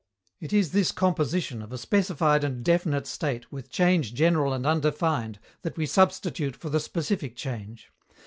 It is this composition of a specified and definite state with change general and undefined that we substitute for the specific change.